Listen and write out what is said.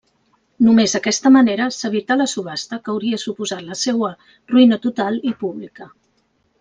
Només d'aquesta manera s'evità la subhasta que hauria suposat la seua ruïna total i pública.